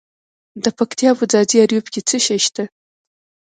د پکتیا په ځاځي اریوب کې څه شی شته؟